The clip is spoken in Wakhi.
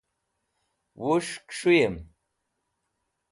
Wus̃h kẽs̃hũyẽm?